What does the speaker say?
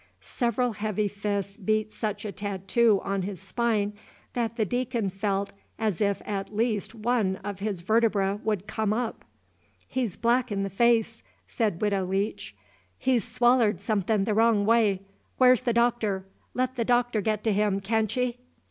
Several heavy fists beat such a tattoo on his spine that the Deacon felt as if at least one of his vertebrae would come up. "He's black in the face," said Widow Leech, "he 's swallered somethin' the wrong way. Where's the Doctor? let the Doctor get to him, can't ye?"